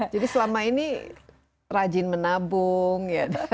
jadi selama ini rajin menabung